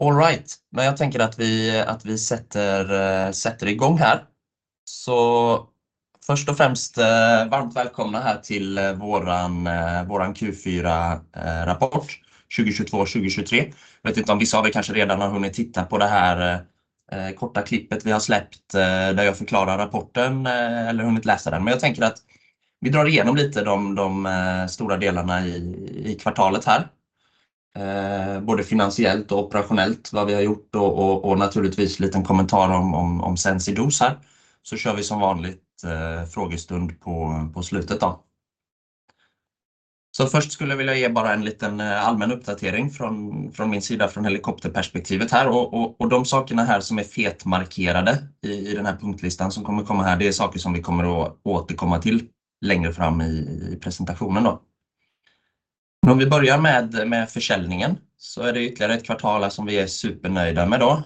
All right, men jag tänker att vi sätter i gång här. Först och främst varmt välkomna här till våran Q4-rapport 2022/2023. Jag vet inte om vissa av er kanske redan har hunnit titta på det här korta klippet vi har släppt där jag förklarar rapporten eller hunnit läsa den. Jag tänker att vi drar igenom lite de stora delarna i kvartalet här. Både finansiellt och operationellt, vad vi har gjort och naturligtvis en liten kommentar om Sensi DOSE här. Kör vi som vanligt frågestund på slutet då. Först skulle jag vilja ge bara en liten allmän uppdatering från min sida, från helikopterperspektivet här och de sakerna här som är fetmarkerade i den här punktlistan som kommer komma här, det är saker som vi kommer att återkomma till längre fram i presentationen då. Om vi börjar med försäljningen så är det ytterligare ett kvartal som vi är supernöjda med då.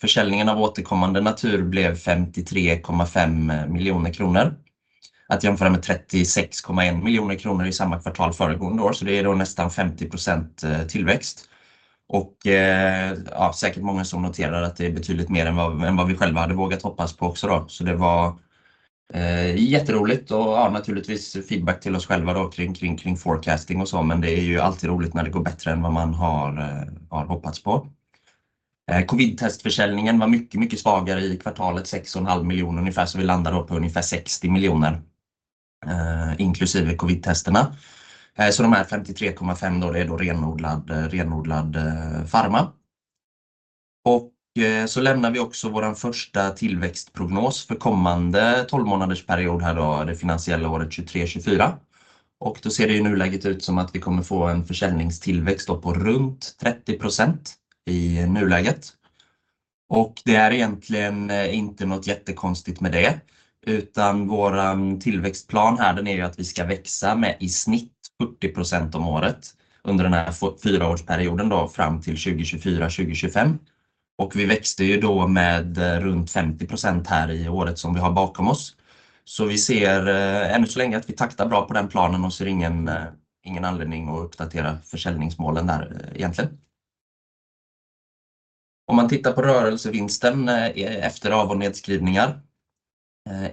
Försäljningen av återkommande natur blev 53.5 million kronor. Att jämföra med 36.1 million kronor i samma kvartal föregående år. Det är då nästan 50% tillväxt. Ja säkert många som noterar att det är betydligt mer än vad vi själva hade vågat hoppas på också då. Det var jätteroligt och naturligtvis feedback till oss själva då kring forecasting och så. Det är ju alltid roligt när det går bättre än vad man har hoppats på. COVID-testförsäljningen var mycket svagare i kvartalet, 6.5 million ungefär, så vi landar på ungefär 60 million, inklusive COVID-testerna. De här 53.5 är då renodlad pharma. Vi lämnar också vår första tillväxtprognos för kommande 12 månaders period här då det finansiella året 2023-2024. Det ser det i nuläget ut som att vi kommer få en försäljningstillväxt på runt 30% i nuläget. Det är egentligen inte något jättekonstigt med det, utan våran tillväxtplan här den är ju att vi ska växa med i snitt 40% om året under den här 4-årsperioden då fram till 2024/2025. Vi växte ju då med runt 50% här i året som vi har bakom oss. Vi ser ännu så länge att vi taktar bra på den planen och ser ingen anledning att uppdatera försäljningsmålen där egentligen. Om man tittar på rörelsevinsten efter av- och nedskrivningar,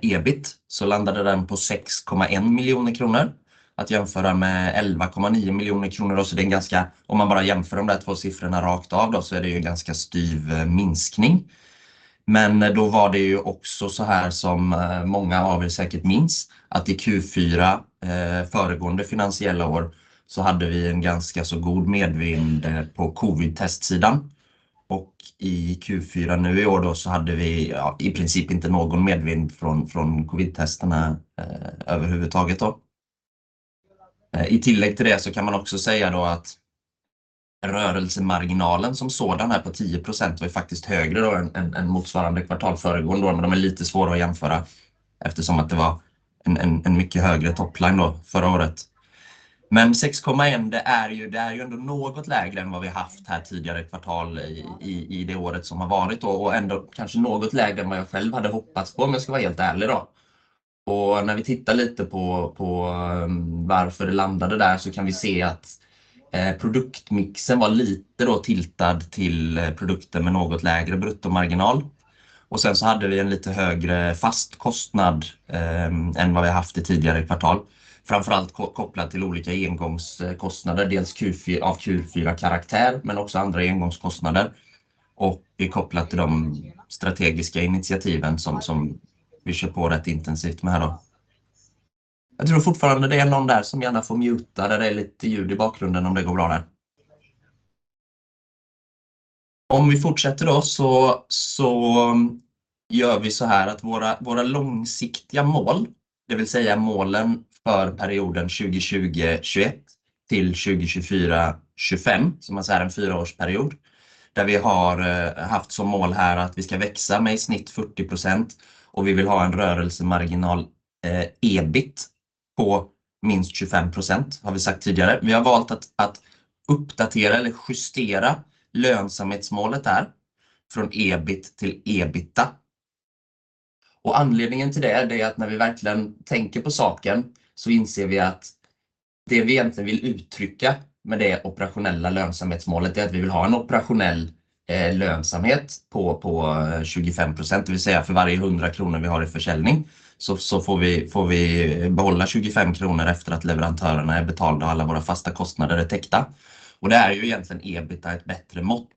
EBIT, så landade den på 6.1 million kronor. Att jämföra med 11.9 million kronor. Det är en ganska, om man bara jämför de där två siffrorna rakt av då så är det ju en ganska styv minskning. Då var det ju också såhär som många av er säkert minns att i Q4 föregående finansiella år så hade vi en ganska så god medvind på COVID-test-sidan och i Q4 nu i år då så hade vi i princip inte någon medvind från COVID-testerna överhuvudtaget då. I tillägg till det kan man också säga då att rörelsemarginalen som sådan här på 10% var ju faktiskt högre då än motsvarande kvartal föregående år, men de är lite svåra att jämföra eftersom att det var en mycket högre topline då förra året. 6.1% det är ju ändå något lägre än vad vi haft här tidigare i kvartal i det året som har varit då och ändå kanske något lägre än vad jag själv hade hoppats på om jag ska vara helt ärlig då. När vi tittar lite på varför det landade där så kan vi se att produktmixen var lite tiltad till produkter med något lägre bruttomarginal. Sen så hade vi en lite högre fastkostnad än vad vi haft i tidigare kvartal. Framför allt kopplat till olika engångskostnader, dels av Q4-karaktär, men också andra engångskostnader. Vi är kopplat till de strategiska initiativen som vi kör på rätt intensivt med här då. Jag tror fortfarande det är någon där som gärna får muta där det är lite ljud i bakgrunden om det går bra där. Om vi fortsätter då så gör vi såhär att våra långsiktiga mål, det vill säga målen för perioden 2020/21 till 2024/25, som man säger en fyraårsperiod, där vi har haft som mål här att vi ska växa med i snitt 40% och vi vill ha en rörelsemarginal EBIT på minst 25% har vi sagt tidigare. Vi har valt att uppdatera eller justera lönsamhetsmålet här från EBIT till EBITDA. Anledningen till det är att när vi verkligen tänker på saken så inser vi att det vi egentligen vill uttrycka med det operationella lönsamhetsmålet är att vi vill ha en operationell lönsamhet på 25%. Det vill säga för varje 100 kronor vi har i försäljning så får vi behålla 25 kronor efter att leverantörerna är betalda och alla våra fasta kostnader är täckta. Där är ju egentligen EBITDA ett bättre mått.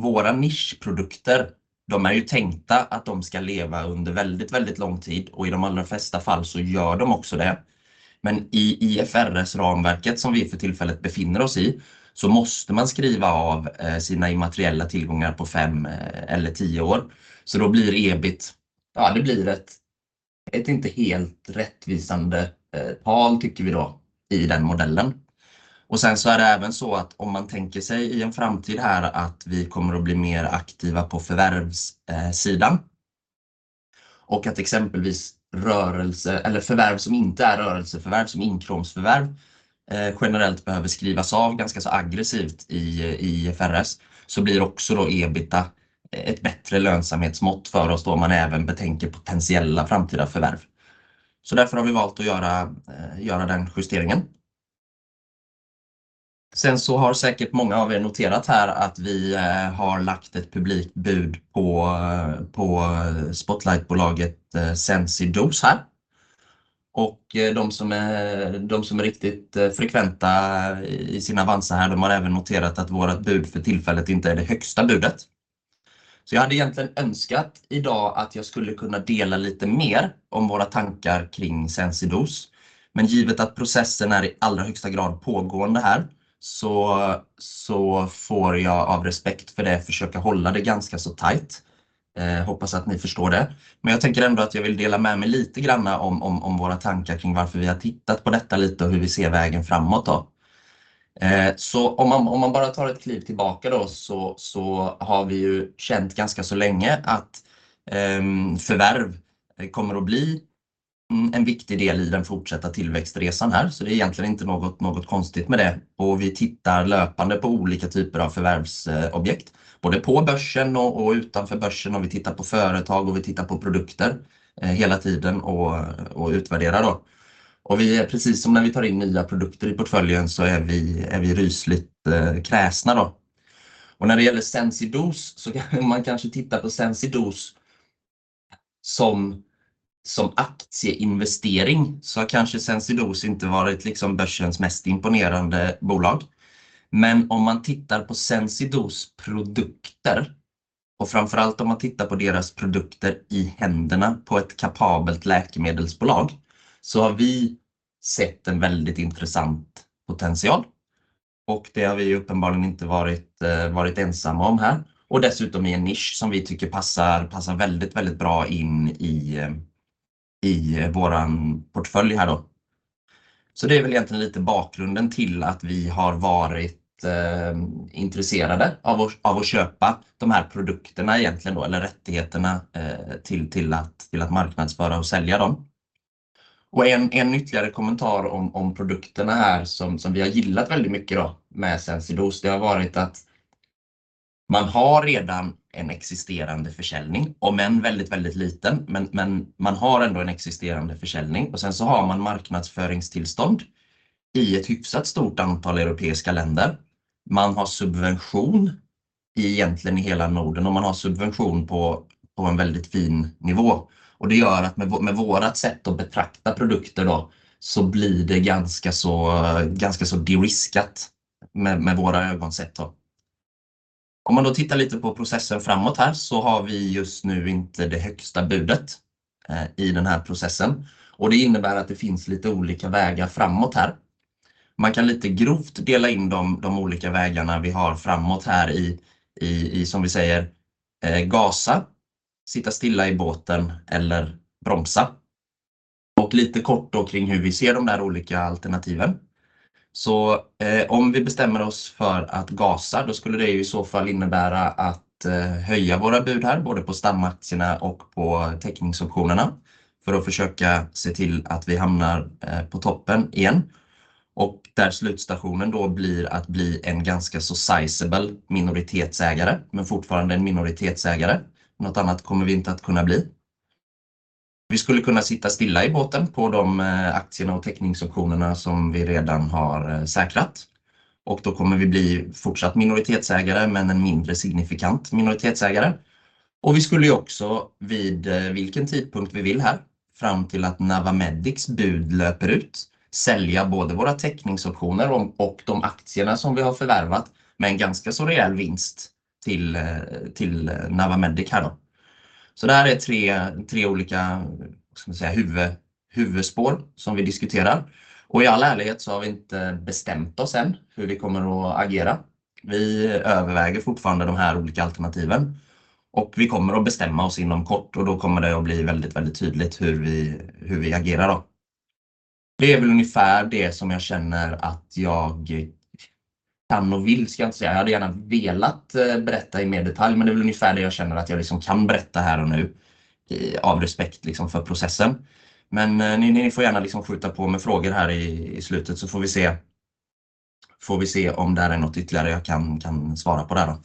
Våra nischprodukter, de är ju tänkta att de ska leva under väldigt lång tid och i de allra flesta fall så gör de också det. I IFRS-ramverket som vi för tillfället befinner oss i, måste man skriva av sina immateriella tillgångar på 5 eller 10 år. Då blir EBIT, ja det blir ett inte helt rättvisande tal tycker vi då i den modellen. Sen så är det även så att om man tänker sig i en framtid här att vi kommer att bli mer aktiva på förvärvssidan. Att exempelvis rörelse eller förvärv som inte är rörelseförvärv, som inkråmsförvärv, generellt behöver skrivas av ganska så aggressivt i IFRS, blir också då EBITDA ett bättre lönsamhetsmått för oss då man även betänker potentiella framtida förvärv. Därför har vi valt att göra den justeringen. Har säkert många av er noterat här att vi har lagt ett publikt bud på Spotlightbolaget Sensi DOSE här. De som är riktigt frekventa i sina avanser här, de har även noterat att vårt bud för tillfället inte är det högsta budet. Jag hade egentligen önskat idag att jag skulle kunna dela lite mer om våra tankar kring Sensi DOSE. Givet att processen är i allra högsta grad pågående här, så får jag av respekt för det försöka hålla det ganska så tajt. Hoppas att ni förstår det. Jag tänker ändå att jag vill dela med mig lite granna om våra tankar kring varför vi har tittat på detta lite och hur vi ser vägen framåt då. Om man bara tar ett kliv tillbaka då så har vi ju känt ganska så länge att förvärv kommer att bli en viktig del i den fortsatta tillväxtresan här. Det är egentligen inte något konstigt med det. Vi tittar löpande på olika typer av förvärvsobjekt, både på börsen och utanför börsen. Vi tittar på företag och vi tittar på produkter hela tiden och utvärderar då. Vi är precis som när vi tar in nya produkter i portföljen så är vi rysligt kräsna då. När det gäller Sensi DOSE så kan man kanske titta på Sensi DOSE som aktieinvestering så har kanske Sensi DOSE inte varit liksom börsens mest imponerande bolag. Om man tittar på Sensi DOSE produkter och framför allt om man tittar på deras produkter i händerna på ett kapabelt läkemedelsbolag, så har vi sett en väldigt intressant potential och det har vi uppenbarligen inte varit ensamma om här. Dessutom i en nisch som vi tycker passar väldigt bra in i våran portfölj här då. Det är väl egentligen lite bakgrunden till att vi har varit intresserade av att köpa de här produkterna egentligen då, eller rättigheterna till att marknadsföra och sälja dem. En ytterligare kommentar om produkterna här som vi har gillat väldigt mycket då med Sensi DOSE, det har varit att man har redan en existerande försäljning, om än väldigt liten, men man har ändå en existerande försäljning. Sen så har man marknadsföringstillstånd i ett hyfsat stort antal europeiska länder. Man har subvention i egentligen i hela Norden och man har subvention på en väldigt fin nivå. Det gör att med vårat sätt att betrakta produkter då så blir det ganska så deriskat med våra ögonsett då. Om man då tittar lite på processen framåt här så har vi just nu inte det högsta budet i den här processen och det innebär att det finns lite olika vägar framåt här. Man kan lite grovt dela in de olika vägarna vi har framåt här i som vi säger, gasa, sitta stilla i båten eller bromsa. Lite kort då kring hur vi ser de där olika alternativen. Om vi bestämmer oss för att gasa, då skulle det ju i så fall innebära att höja våra bud här, både på stamaktierna och på täckningsoptionerna för att försöka se till att vi hamnar på toppen igen. Där slutstationen då blir att bli en ganska så sizable minoritetsägare, men fortfarande en minoritetsägare. Något annat kommer vi inte att kunna bli. Vi skulle kunna sitta stilla i båten på de aktierna och täckningsoptionerna som vi redan har säkrat. Då kommer vi bli fortsatt minoritetsägare, men en mindre signifikant minoritetsägare. Vi skulle också vid vilken tidpunkt vi vill här, fram till att Navamedic's bud löper ut, sälja både våra täckningsoptioner och de aktierna som vi har förvärvat med en ganska så rejäl vinst till Navamedic här då. Det här är tre olika huvudspår som vi diskuterar. I all ärlighet så har vi inte bestämt oss än hur vi kommer att agera. Vi överväger fortfarande de här olika alternativen och vi kommer att bestämma oss inom kort och då kommer det att bli väldigt tydligt hur vi, hur vi agerar då. Det är väl ungefär det som jag känner att jag kan och vill, ska inte säga. Jag hade gärna velat berätta i mer detalj, men det är väl ungefär det jag känner att jag kan berätta här och nu i av respekt liksom för processen. Ni får gärna liksom skjuta på med frågor här i slutet så får vi se. Får vi se om där är något ytterligare jag kan svara på det då.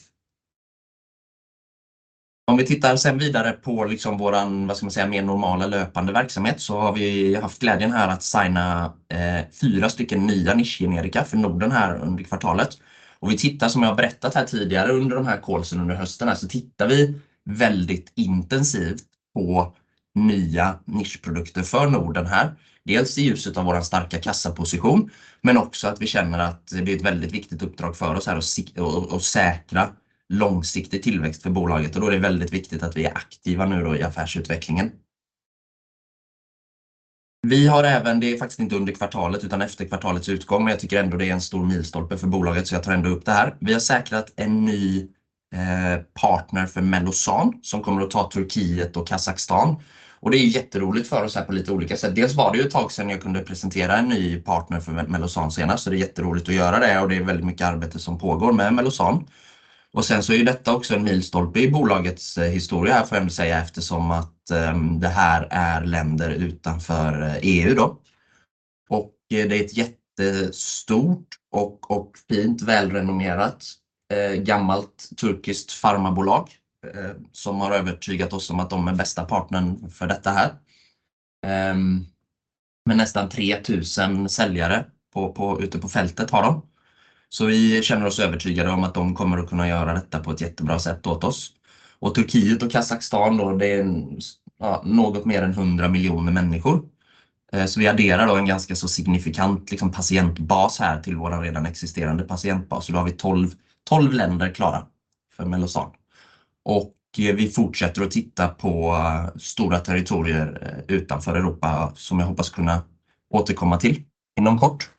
Om vi tittar sen vidare på liksom våran, vad ska man säga, mer normala löpande verksamhet så har vi haft glädjen här att signa 4 stycken nya nischgenerika för Norden här under kvartalet. Som jag har berättat här tidigare under de här calls under hösten, tittar vi väldigt intensivt på nya nischprodukter för Norden här. Dels i ljuset av vår starka kassaposition, också att vi känner att det blir ett väldigt viktigt uppdrag för oss här att säkra långsiktig tillväxt för bolaget. Då är det väldigt viktigt att vi är aktiva nu då i affärsutvecklingen. Vi har även, det är faktiskt inte under kvartalet utan efter kvartalets utgång, jag tycker ändå det är en stor milstolpe för bolaget jag tar ändå upp det här. Vi har säkrat en ny partner för Mellozzan som kommer att ta Turkey och Kazakhstan. Det är jätteroligt för oss här på lite olika sätt. Dels var det ju ett tag sedan jag kunde presentera en ny partner för Mellozzan senast. Det är jätteroligt att göra det och det är väldigt mycket arbete som pågår med Mellozzan. Detta är också en milstolpe i bolagets historia här får jag ändå säga eftersom att det här är länder utanför EU då. Det är ett jättestort och fint välrenommerat gammalt turkiskt farmabolag som har övertygat oss om att de är bästa partnern för detta här. Med nästan 3,000 säljare på ute på fältet har de. Vi känner oss övertygade om att de kommer att kunna göra detta på ett jättebra sätt åt oss. Turkiet och Kazakstan då det är något mer än 100 million människor. Vi adderar då en ganska så signifikant liksom patientbas här till vår redan existerande patientbas. Då har vi 12 länder klara för Mellozzan. Vi fortsätter att titta på stora territorier utanför Europa som jag hoppas kunna återkomma till inom kort.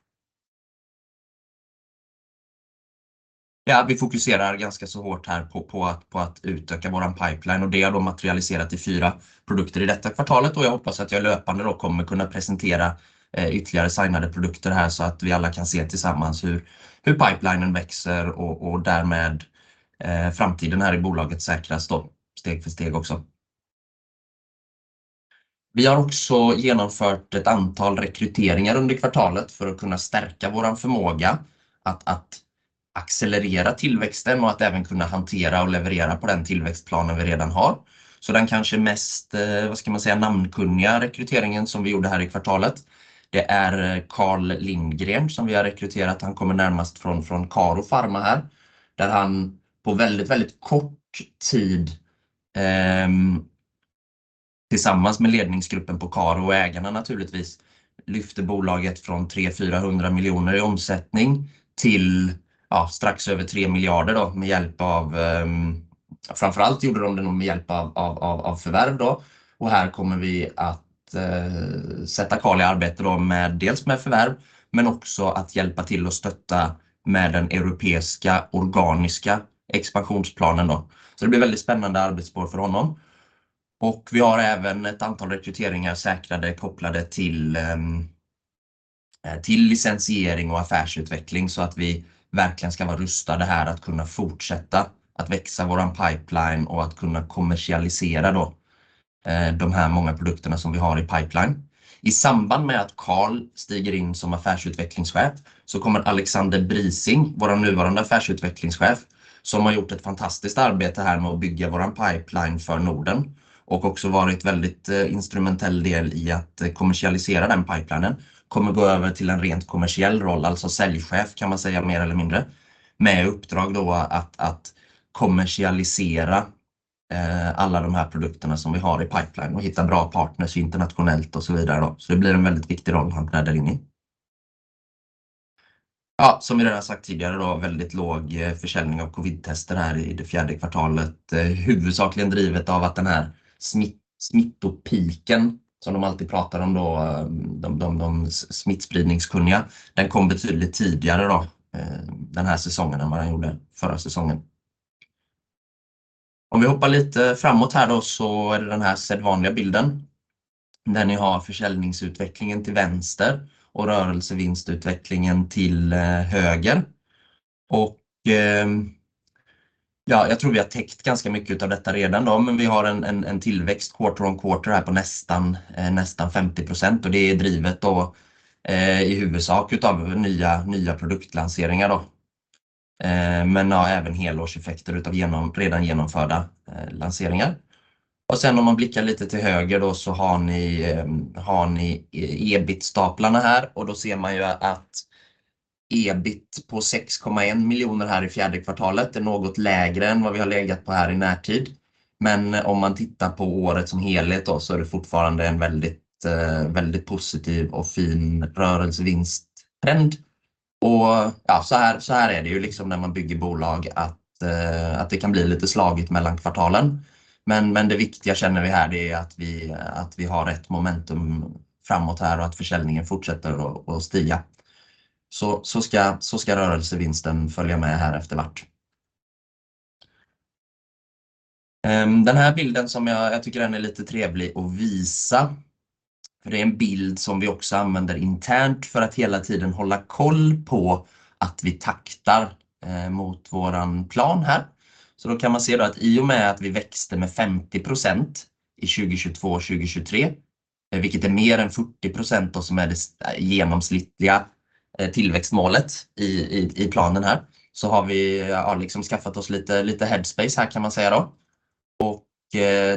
Ja, vi fokuserar ganska så hårt här på att utöka vår pipeline och det har då materialiserat i 4 produkter i detta kvartalet och jag hoppas att jag löpande då kommer kunna presentera ytterligare signade produkter här så att vi alla kan se tillsammans hur pipelinen växer och därmed framtiden här i bolaget säkras då steg för steg också. Vi har också genomfört ett antal rekryteringar under kvartalet för att kunna stärka vår förmåga att accelerera tillväxten och att även kunna hantera och leverera på den tillväxtplanen vi redan har. Den kanske mest, vad ska man säga, namnkunniga rekryteringen som vi gjorde här i kvartalet, det är Carl Lindgren som vi har rekryterat. Han kommer närmast från Karo Pharma här, där han på väldigt kort tid tillsammans med ledningsgruppen på Karo och ägarna naturligtvis lyfte bolaget från 300-400 million i omsättning till ja strax över 3 billion då med hjälp av, framför allt gjorde de det nog med hjälp av förvärv då. Här kommer vi att sätta Carl i arbete då med dels med förvärv, men också att hjälpa till att stötta med den europeiska organiska expansionsplanen då. Det blir väldigt spännande arbetsområde för honom. Vi har även ett antal rekryteringar säkrade, kopplade till licensiering och affärsutveckling så att vi verkligen ska vara rustade här att kunna fortsätta att växa vår pipeline och att kunna kommersialisera då de här många produkterna som vi har i pipeline. I samband med att Carl stiger in som affärsutvecklingschef så kommer Alexander Brising, vår nuvarande affärsutvecklingschef, som har gjort ett fantastiskt arbete här med att bygga vår pipeline för Norden och också varit väldigt instrumentell del i att kommersialisera den pipelinen, kommer att gå över till en rent kommersiell roll, alltså säljchef kan man säga mer eller mindre, med uppdrag då att kommersialisera alla de här produkterna som vi har i pipeline och hitta bra partners internationellt och så vidare då. Det blir en väldigt viktig roll han träder in i. Ja, som vi redan sagt tidigare då, väldigt låg försäljning av covidtester här i det fjärde kvartalet. Huvudsakligen drivet av att den här smittopiken som de alltid pratar om då de smittspridningskunniga, den kom betydligt tidigare då den här säsongen än vad den gjorde förra säsongen. Om vi hoppar lite framåt här då så är det den här sedvanliga bilden där ni har försäljningsutvecklingen till vänster och rörelsevinstutvecklingen till höger. Jag tror vi har täckt ganska mycket utav detta redan då, men vi har en tillväxt quarter-on-quarter här på nästan 50% och det är drivet då i huvudsak utav nya produktlanseringar då. Men ja även helårseffekter utav genom redan genomförda lanseringar. Om man blickar lite till höger då så har ni EBIT-staplarna här och då ser man ju att EBIT på 6.1 million här i fourth quarter är något lägre än vad vi har legat på här i närtid. Om man tittar på året som helhet då så är det fortfarande en väldigt positiv och fin rörelsevinsttrend. Ja såhär är det ju liksom när man bygger bolag att det kan bli lite slagit mellan kvartalen. Det viktiga känner vi här, det är att vi har rätt momentum framåt här och att försäljningen fortsätter att stiga. Ska rörelsevinsten följa med här efter vart. Den här bilden som jag tycker den är lite trevlig att visa för det är en bild som vi också använder internt för att hela tiden hålla koll på att vi taktar mot våran plan här. Då kan man se då att i och med att vi växte med 50% i 2022, 2023, vilket är mer än 40% då som är det genomsnittliga tillväxtmålet i planen här, så har vi ja liksom skaffat oss lite headspace här kan man säga då.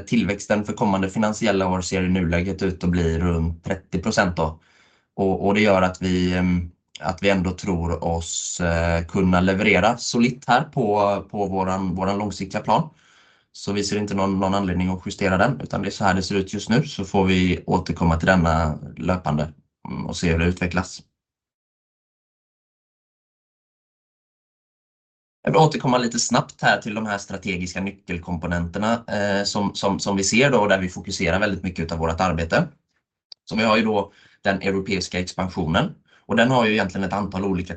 Tillväxten för kommande finansiella år ser i nuläget ut att bli runt 30% då. Det gör att vi ändå tror oss kunna leverera solitt här på våran långsiktiga plan. Vi ser inte någon anledning att justera den, utan det är såhär det ser ut just nu. Får vi återkomma till denna löpande och se hur det utvecklas. Jag vill återkomma lite snabbt här till de här strategiska nyckelkomponenterna som vi ser då där vi fokuserar väldigt mycket utav vårt arbete. Vi har ju då den europeiska expansionen och den har ju egentligen ett antal olika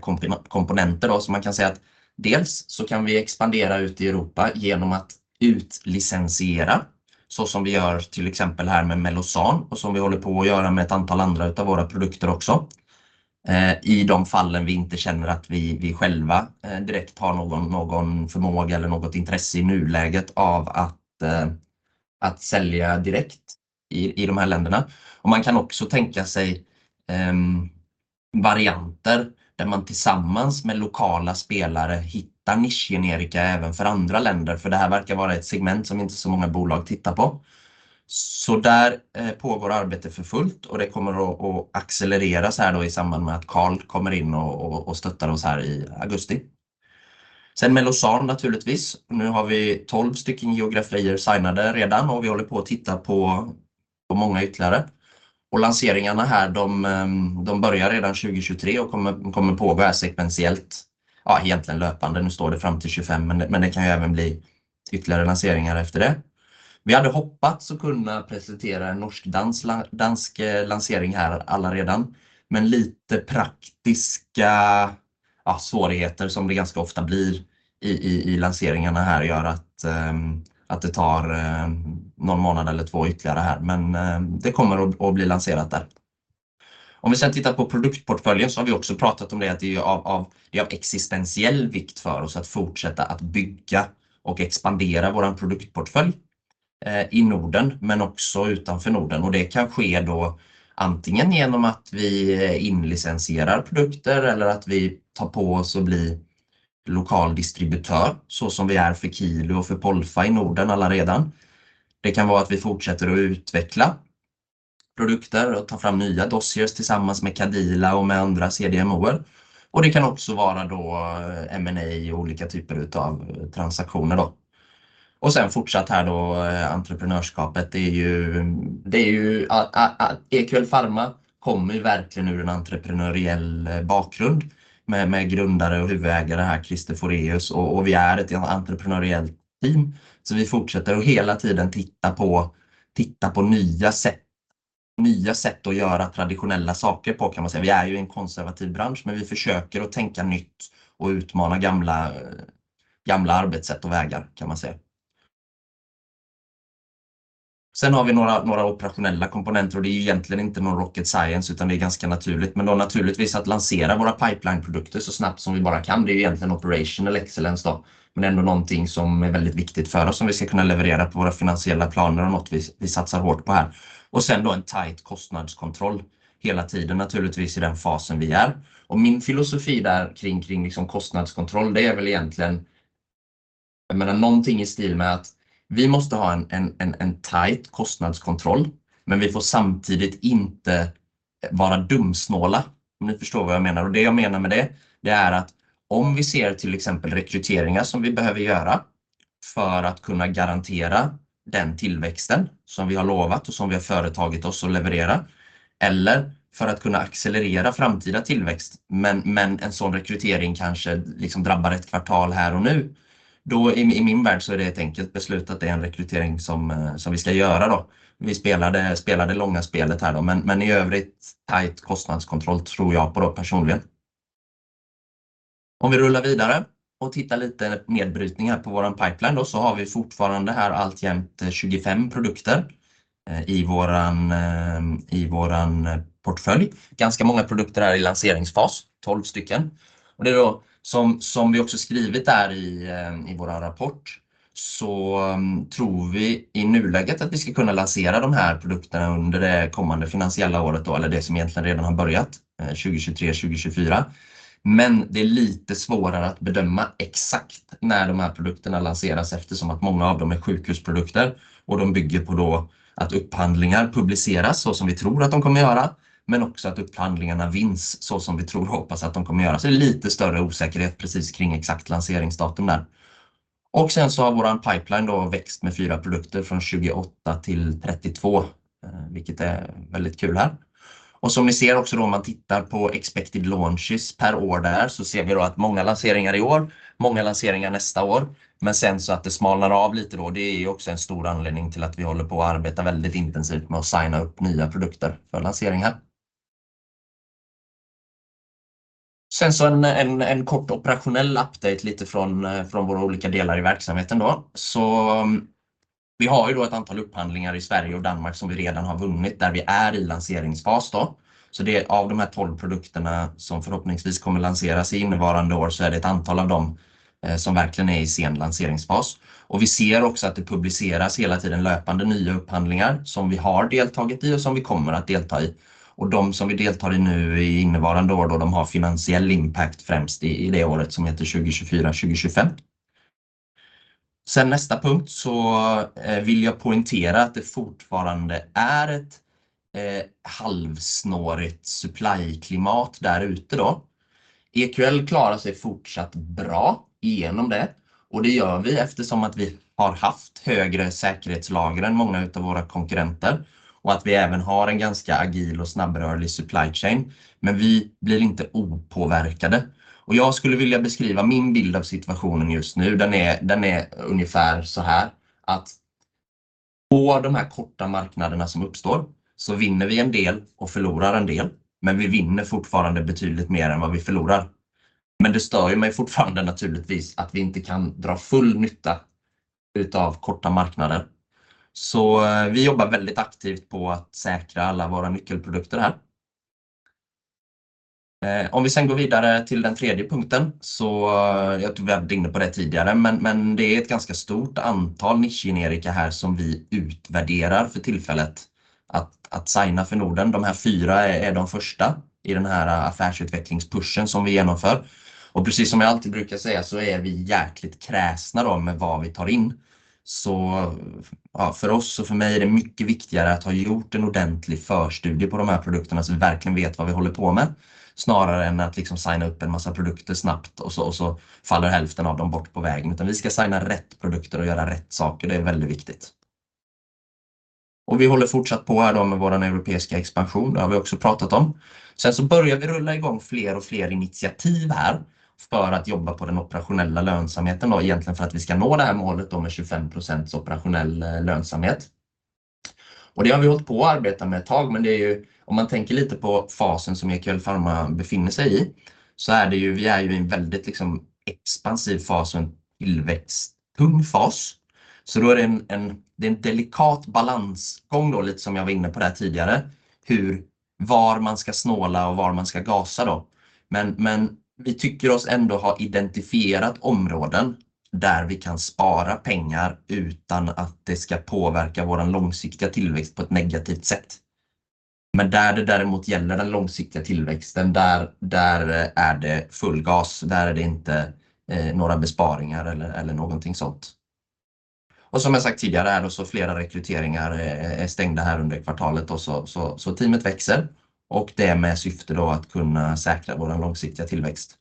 komponenter då. Man kan säga att dels så kan vi expandera ute i Europa igenom att utlicensiera så som vi gör till exempel här med Mellozzan och som vi håller på att göra med ett antal andra utav våra produkter också. I de fallen vi inte känner att vi själva direkt har någon förmåga eller något intresse i nuläget av att sälja direkt i de här länderna. Man kan också tänka sig varianter där man tillsammans med lokala spelare hittar nischgenerika även för andra länder. Det här verkar vara ett segment som inte så många bolag tittar på. Där pågår arbetet för fullt och det kommer att accelereras här då i samband med att Karl kommer in och stöttar oss här i augusti. Mellozzan naturligtvis, nu har vi 12 stycken geografier signade redan och vi håller på att titta på många ytterligare. Lanseringarna här de börjar redan 2023 och kommer pågå här sekventiellt. Well, egentligen löpande, nu står det fram till 25, men det kan ju även bli ytterligare lanseringar efter det. Vi hade hoppats att kunna presentera en norskdansk, dansk lansering här alla redan, men lite praktiska svårigheter som det ganska ofta blir i lanseringarna här gör att det tar någon månad eller två ytterligare här. Det kommer att bli lanserat där. Om vi sedan tittar på produktportföljen så har vi också pratat om det att det är av existentiell vikt för oss att fortsätta att bygga och expandera vår produktportfölj i Norden men också utanför Norden. Det kan ske då antingen igenom att vi inlicenserar produkter eller att vi tar på oss och blir lokal distributör så som vi är för Qilu och för Polfa i Norden alla redan. Det kan vara att vi fortsätter att utveckla produkter och ta fram nya dossiers tillsammans med Cadila och med andra CDMO. Det kan också vara då M&A och olika typer av transaktioner då. Fortsatt här då entreprenörskapet. Det är ju EQL Pharma kommer verkligen ur en entreprenöriell bakgrund med grundare och huvudägare här Christer Fåhraeus och vi är ett entreprenöriellt team. Vi fortsätter att hela tiden titta på nya sätt, nya sätt att göra traditionella saker på kan man säga. Vi är ju en konservativ bransch, men vi försöker att tänka nytt och utmana gamla arbetssätt och vägar kan man säga. Vi har några operationella komponenter och det är egentligen inte någon rocket science utan det är ganska naturligt. Då naturligtvis att lansera våra pipelineprodukter så snabbt som vi bara kan. Det är egentligen operational excellence då, men ändå någonting som är väldigt viktigt för oss som vi ska kunna leverera på våra finansiella planer och något vi satsar hårt på här. Sedan då en tight kostnadskontroll hela tiden, naturligtvis i den fasen vi är. Min filosofi där kring liksom kostnadskontroll, det är väl egentligen jag menar någonting i stil med att vi måste ha en tight kostnadskontroll, men vi får samtidigt inte vara dumsnåla. Om ni förstår vad jag menar. Det jag menar med det är att om vi ser till exempel rekryteringar som vi behöver göra för att kunna garantera den tillväxten som vi har lovat och som vi har företagit oss att leverera, eller för att kunna accelerera framtida tillväxt. En sådan rekrytering kanske liksom drabbar ett kvartal här och nu. Då i min värld så är det ett enkelt beslut att det är en rekrytering som vi ska göra då. Vi spelar det långa spelet här då, men i övrigt tight kostnadskontroll tror jag på då personligen. Om vi rullar vidare och tittar lite nedbrytning här på vår pipeline då så har vi fortfarande här alltjämt 25 produkter i våran portfölj. Ganska många produkter är i lanseringsfas, 12 stycken. Det är då som vi också skrivit där i vår rapport, så tror vi i nuläget att vi ska kunna lansera de här produkterna under det kommande finansiella året då, eller det som egentligen redan har börjat, 2023, 2024. Det är lite svårare att bedöma exakt när de här produkterna lanseras eftersom att många av dem är sjukhusprodukter och de bygger på då att upphandlingar publiceras så som vi tror att de kommer göra, men också att upphandlingarna vinns så som vi tror och hoppas att de kommer göra. Det är lite större osäkerhet precis kring exakt lanseringsdatum där. Vår pipeline då växt med 4 produkter från 28 till 32, vilket är väldigt kul här. Som vi ser också då om man tittar på expected launches per år där, så ser vi då att många lanseringar i år, många lanseringar nästa år, men att det smalnar av lite då, det är också en stor anledning till att vi håller på att arbeta väldigt intensivt med att signa upp nya produkter för lanseringar. En kort operational update, lite från våra olika delar i verksamheten då. Vi har ju då ett antal upphandlingar i Sweden och Denmark som vi redan har vunnit, där vi är i lanseringsfas då. Det av de här 12 produkterna som förhoppningsvis kommer lanseras i innevarande år, så är det ett antal av dem som verkligen är i sen lanseringsfas. Vi ser också att det publiceras hela tiden löpande nya upphandlingar som vi har deltagit i och som vi kommer att delta i. De som vi deltar i nu i innevarande år då de har finansiell impact främst i det året som heter 2024, 2025. Nästa punkt så vill jag poängtera att det fortfarande är ett halvsnårigt supplyklimat där ute då. EQL klarar sig fortsatt bra igenom det och det gör vi eftersom att vi har haft högre säkerhetslager än många utav våra konkurrenter och att vi även har en ganska agil och snabbrörlig supply chain. Vi blir inte opåverkade och jag skulle vilja beskriva min bild av situationen just nu. Den är, den är ungefär såhär att på de här korta marknaderna som uppstår så vinner vi en del och förlorar en del, men vi vinner fortfarande betydligt mer än vad vi förlorar. Det stör ju mig fortfarande naturligtvis att vi inte kan dra full nytta utav korta marknader. Vi jobbar väldigt aktivt på att säkra alla våra nyckelprodukter här. Om vi sen går vidare till den tredje punkten, jag tror vi hade inne på det tidigare. Det är ett ganska stort antal nischgenerika här som vi utvärderar för tillfället att signa för Norden. De här 4 är de första i den här affärsutvecklingspushen som vi genomför. Precis som jag alltid brukar säga, är vi jäkligt kräsna då med vad vi tar in. Ja för oss och för mig är det mycket viktigare att ha gjort en ordentlig förstudie på de här produkterna så vi verkligen vet vad vi håller på med, snarare än att liksom signa upp en massa produkter snabbt och så faller hälften av dem bort på vägen. Utan vi ska signa rätt produkter och göra rätt saker, det är väldigt viktigt. Vi håller fortsatt på här då med vår europeiska expansion, det har vi också pratat om. Börjar vi rulla i gång fler och fler initiativ här för att jobba på den operationella lönsamheten då egentligen för att vi ska nå det här målet då med 25% operationell lönsamhet. Det har vi hållit på att arbeta med ett tag, men det är ju om man tänker lite på fasen som EQL Pharma befinner sig i, så är det ju, vi är ju i en väldigt liksom expansiv fas och en tillväxttung fas. Då är det en delikat balansgång då, lite som jag var inne på där tidigare, hur, var man ska snåla och var man ska gasa då. Vi tycker oss ändå ha identifierat områden där vi kan spara pengar utan att det ska påverka vår långsiktiga tillväxt på ett negativt sätt. Där det däremot gäller den långsiktiga tillväxten, där är det full gas, där är det inte några besparingar eller någonting sånt. Som jag sagt tidigare är då flera rekryteringar är stängda här under kvartalet då teamet växer och det är med syfte då att kunna säkra vår långsiktiga tillväxt.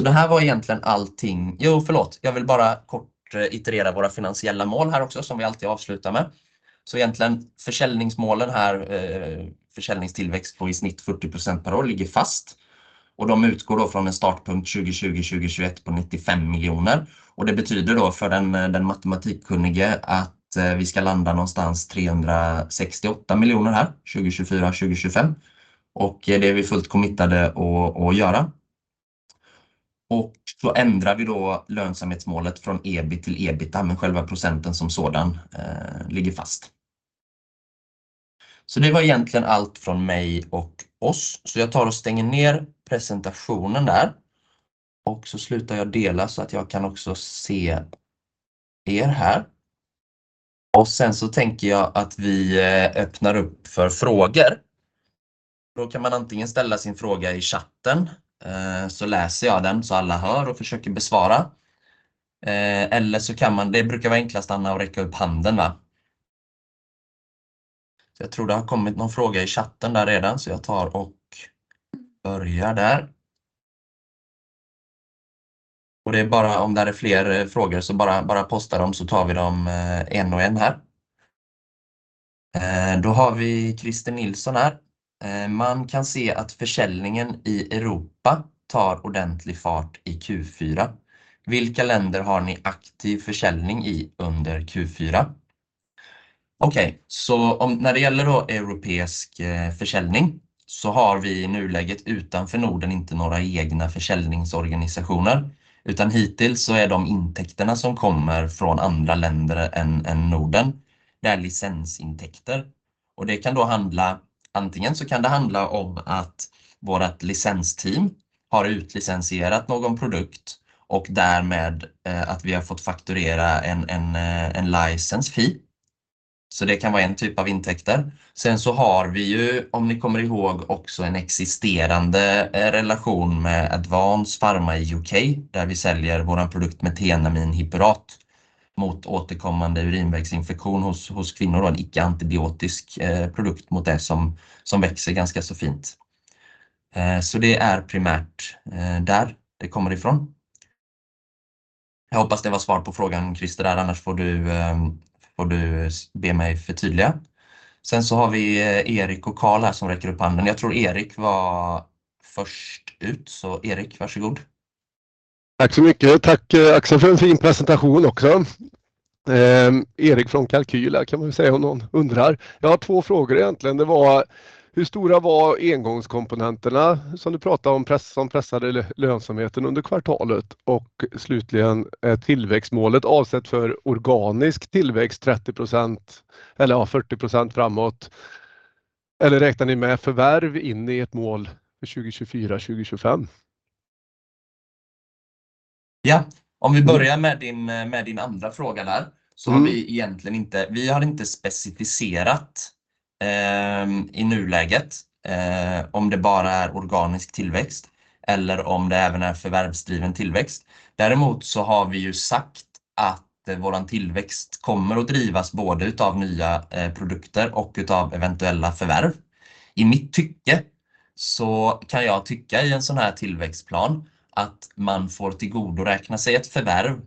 Det här var egentligen allting. Förlåt, jag vill bara kort iterera våra finansiella mål här också som vi alltid avslutar med. Egentligen försäljningsmålen här, försäljningstillväxt på i snitt 40% per år ligger fast och de utgår då från en startpunkt 2020-2021 på 95 million. Det betyder då för den matematikkunnige att vi ska landa någonstans 368 million här 2024-2025. Det är vi fullt committed att göra. Vi ändrar då lönsamhetsmålet från EBIT till EBITDA, men själva procenten som sådan ligger fast. Det var egentligen allt från mig och oss. Jag tar och stänger ner presentationen där och så slutar jag dela så att jag kan också se er här. Jag tänker att vi öppnar upp för frågor. Då kan man antingen ställa sin fråga i chatten, så läser jag den så alla hör och försöker besvara. Eller så kan man, det brukar vara enklast Anna att räcka upp handen va? Jag tror det har kommit någon fråga i chatten där redan, så jag tar och börjar där. Det är bara om där är fler frågor så bara posta dem så tar vi dem en och en här. Då har vi Christer Nilsson här. Man kan se att försäljningen i Europa tar ordentlig fart i Q4. Vilka länder har ni aktiv försäljning i under Q4? Om när det gäller då europeisk försäljning så har vi i nuläget utanför Norden inte några egna försäljningsorganisationer, utan hittills så är de intäkterna som kommer från andra länder än Norden. Det är licensintäkter och det kan då handla antingen så kan det handla om att vårat licensteam har utlicensierat någon produkt och därmed att vi har fått fakturera en license fee. Det kan vara en typ av intäkter. Vi har ju, om ni kommer ihåg, också en existerande relation med Advanced Pharma i U.K., där vi säljer vår produkt Methenamine Hippurate mot återkommande urinvägsinfektion hos kvinnor då. En icke antibiotisk produkt mot det som växer ganska så fint. Det är primärt där det kommer ifrån. Jag hoppas det var svar på frågan, Christer, där annars får du be mig förtydliga. Vi har Erik och Karl här som räcker upp handen. Jag tror Erik var först ut. Erik, varsågod. Tack så mycket. Tack Axel för en fin presentation också. Erik från Kalqyl kan man väl säga om någon undrar. Jag har två frågor egentligen. Det var hur stora var engångskomponenterna som du pratar om, som pressade lönsamheten under kvartalet? Slutligen, är tillväxtmålet avsett för organisk tillväxt 30% eller ja 40% framåt, eller räknar ni med förvärv in i ett mål för 2024, 2025? Om vi börjar med din andra fråga där så har vi egentligen inte, vi har inte specificerat i nuläget om det bara är organisk tillväxt eller om det även är förvärvsdriven tillväxt. Däremot har vi ju sagt att vår tillväxt kommer att drivas både utav nya produkter och utav eventuella förvärv. I mitt tycke så kan jag tycka i en sådan här tillväxtplan att man får tillgodoräkna sig ett förvärv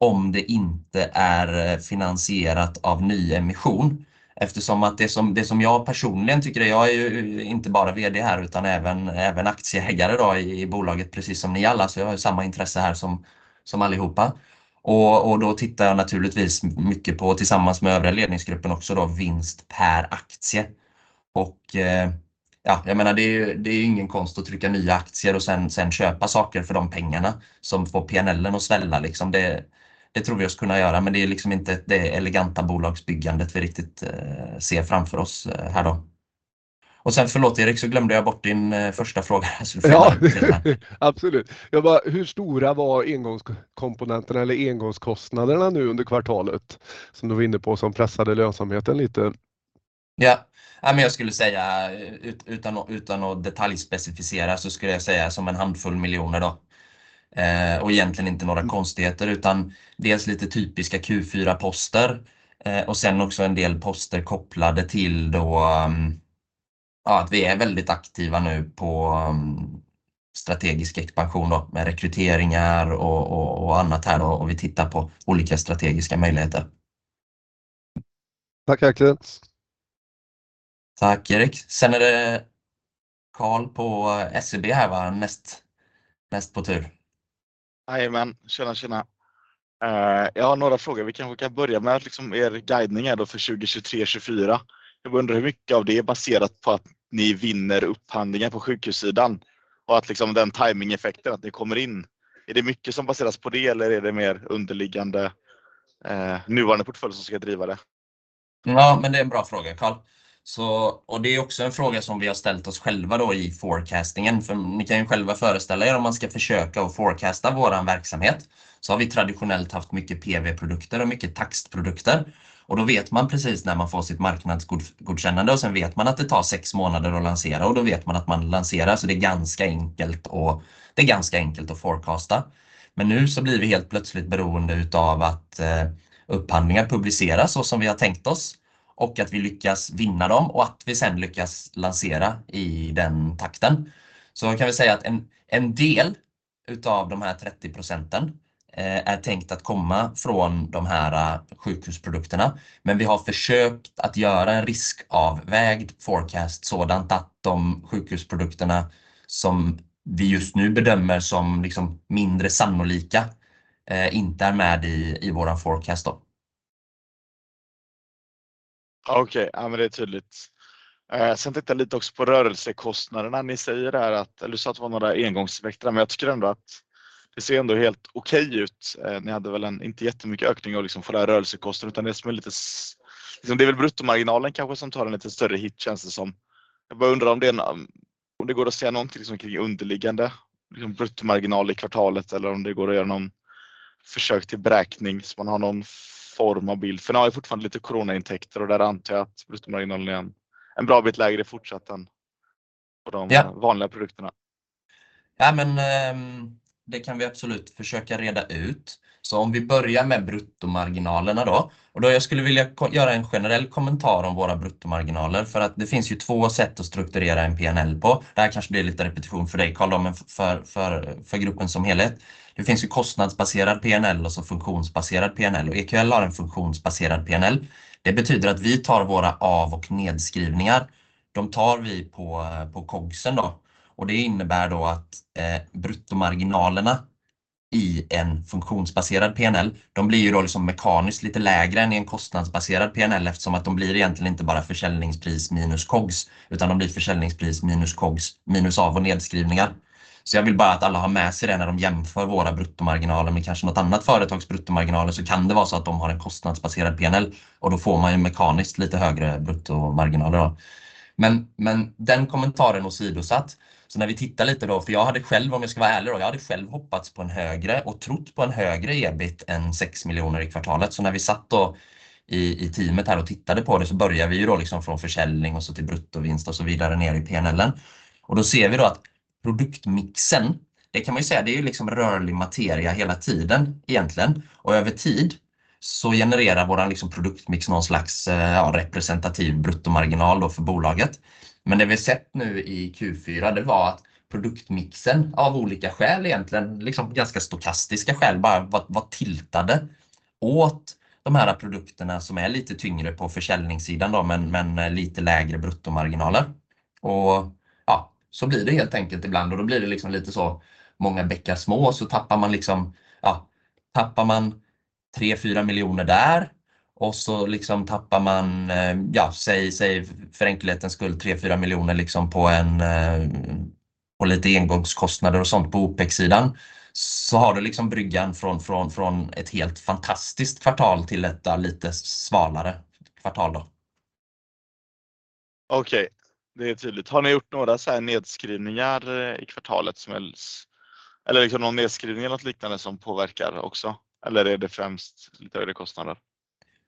om det inte är finansierat av ny emission. Eftersom det som jag personligen tycker, jag är ju inte bara vd här utan även aktieägare då i bolaget, precis som ni alla. Jag har samma intresse här som allihopa. Då tittar jag naturligtvis mycket på tillsammans med övriga ledningsgruppen också då vinst per aktie. Ja, jag menar, det är ju ingen konst att trycka nya aktier och sen köpa saker för de pengarna som får PNL:en att svälla liksom. Det tror vi oss kunna göra, men det är liksom inte det eleganta bolagsbyggandet vi riktigt ser framför oss här då. Förlåt Erik så glömde jag bort din första fråga. Ja, absolut. Jag bara hur stora var engångskomponenterna eller engångskostnaderna nu under kvartalet som du var inne på som pressade lönsamheten lite? Jag skulle säga utan att detaljspecificera så skulle jag säga som SEK a handful million då. Egentligen inte några konstigheter, utan dels lite typiska Q4 poster och sen också en del poster kopplade till då att vi är väldigt aktiva nu på strategisk expansion med rekryteringar och annat här och vi tittar på olika strategiska möjligheter. Tack, tack. Tack Erik. Är det Karl på SEB här va, näst på tur. Jajamän. Tjena, tjena. Jag har några frågor. Vi kanske kan börja med er guidning är då för 2023, 2024. Jag undrar hur mycket av det är baserat på att ni vinner upphandlingen på sjukhussidan och att den timingeffekten att det kommer in, är det mycket som baseras på det eller är det mer underliggande nuvarande portfölj som ska driva det? Det är en bra fråga Karl. Det är också en fråga som vi har ställt oss själva då i forecastingen. Ni kan ju själva föreställa er om man ska försöka att forecasta vår verksamhet. Vi har traditionellt haft mycket PV-produkter och mycket taxprodukter. Då vet man precis när man får sitt marknadsgodkännande sen vet man att det tar 6 månader att lansera då vet man att man lanserar. Det är ganska enkelt att forecasta. Nu så blir vi helt plötsligt beroende utav att upphandlingar publiceras så som vi har tänkt oss att vi lyckas vinna dem att vi sen lyckas lansera i den takten. Vi kan säga att en del utav de här 30% är tänkt att komma från de här sjukhusprodukterna. Vi har försökt att göra en riskavvägd forecast sådant att de sjukhusprodukterna som vi just nu bedömer som mindre sannolika inte är med i vår forecast då. Okej, ja, men det är tydligt. Tittar jag lite också på rörelsekostnaderna. Ni säger där att du sa att det var några engångseffekter, men jag tycker ändå att det ser ändå helt okej ut. Ni hade väl inte jättemycket ökning av för det här rörelsekostnader, utan det som är lite... Det är väl bruttomarginalen kanske som tar en lite större hit, känns det som. Jag bara undrar om det går att säga någonting kring underliggande bruttomarginal i kvartalet eller om det går att göra någon försök till beräkning så man har någon form av bild. Ni har ju fortfarande lite coronaintäkter, och där antar jag att bruttomarginalen är en bra bit lägre fortsätt än på de vanliga produkterna. Det kan vi absolut försöka reda ut. Om vi börjar med bruttomarginalerna då. Jag skulle vilja göra en generell kommentar om våra bruttomarginaler för att det finns ju 2 sätt att strukturera en P&L på. Det här kanske blir lite repetition för dig Karl, men för gruppen som helhet. Det finns ju kostnadsbaserad P&L och så funktionsbaserad P&L. EQL har en funktionsbaserad P&L. Det betyder att vi tar våra av- och nedskrivningar. De tar vi på COGS sen då. Det innebär då att bruttomarginalerna i en funktionsbaserad P&L, de blir ju då mekaniskt lite lägre än i en kostnadsbaserad P&L eftersom att de blir egentligen inte bara försäljningspris minus COGS, utan de blir försäljningspris minus COGS minus av- och nedskrivningar. Jag vill bara att alla har med sig det när de jämför våra bruttomarginaler med kanske något annat företags bruttomarginaler så kan det vara så att de har en kostnadsbaserad P&L och då får man ju mekaniskt lite högre bruttomarginaler då. Den kommentaren åsidosatt. När vi tittar lite då, för jag hade själv om jag ska vara ärlig, jag hade själv hoppats på en högre och trott på en högre EBIT än 6 million i kvartalet. När vi satt då i teamet här och tittade på det så börjar vi ju då från försäljning och så till bruttovinst och så vidare ner i P&L. Då ser vi då att produktmixen, det kan man ju säga, det är liksom rörlig materia hela tiden egentligen. Över tid så genererar vår produktmix någon slags representativ bruttomarginal för bolaget. Det vi sett nu i Q4, det var att produktmixen av olika skäl, egentligen ganska stokastiska skäl, bara var tiltade åt de här produkterna som är lite tyngre på försäljningssidan då, men lite lägre bruttomarginaler. Så blir det helt enkelt ibland och då blir det liksom lite så många bäckar små. Tappar man liksom, tappar man SEK 3, 4 miljoner där och så tappar man, säg för enkelhetens skull 3, 4 miljoner på en, på lite engångskostnader och sånt på Opex-sidan. Har du liksom bryggan från ett helt fantastiskt kvartal till ett lite svalare kvartal då. Okay, det är tydligt. Har ni gjort några så här nedskrivningar i kvartalet som helst? Någon nedskrivning eller något liknande som påverkar också? Är det främst lite högre kostnader?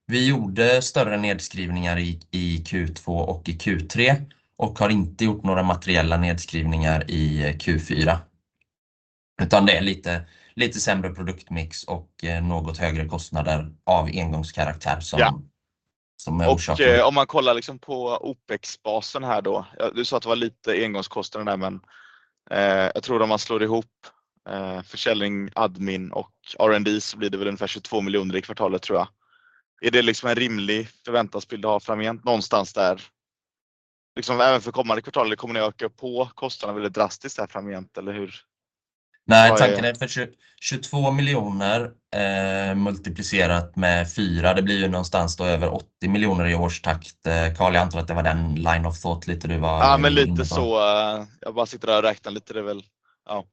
Vi gjorde större nedskrivningar i Q2 och i Q3 och har inte gjort några materiella nedskrivningar i Q4. Det är lite sämre produktmix och något högre kostnader av engångskaraktär som är orsaken. Om man kollar på OpEx basen här då. Du sa att det var lite engångskostnader, jag tror att man slår ihop försäljning, admin och R&D så blir det väl ungefär 22 million i kvartalet tror jag. Är det liksom en rimlig förväntansbild att ha framgent någonstans där? Liksom även för kommande kvartal? Kommer ni öka på kostnaden väldigt drastiskt här framgent eller hur? Nej, tanken är för 22 million multiplicerat med 4. Det blir ju någonstans då över 80 million i årstakt. Karl, jag antar att det var den line of thought lite du var inne på. Ja men lite så. Jag bara sitter och räknar lite. Det är väl, ja.